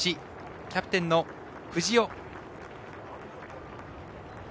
キャプテンの藤尾。